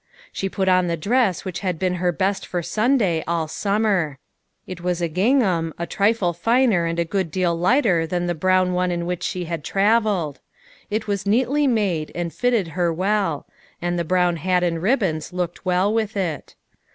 She put on the dress which had been her best for Sunday, all summer. It was a gingham, a trifle finer and a good deal lighter than the brown 143 144 LITTLE FISHERS : AND THEIR NETS. one in which she had travelled. It was neatly made, and fitted her well ; and the brown hat and ribbons looked well with it.